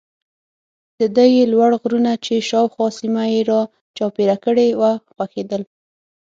د ده یې لوړ غرونه چې شاوخوا سیمه یې را چاپېره کړې وه خوښېدل.